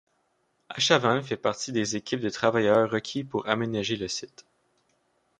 Achavanne fait partie des équipes de travailleurs requis pour aménager le site.